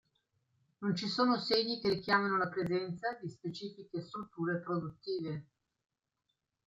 Non ci sono segni che richiamano la presenza di specifiche strutture produttive.